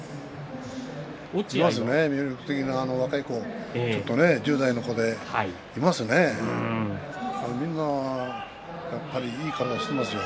魅力的な若い子１０代の子でね、いますね。